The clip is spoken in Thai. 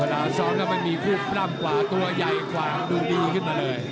ซ้อมแล้วมันมีคู่ปล้ำกว่าตัวใหญ่กว่าดูดีขึ้นมาเลย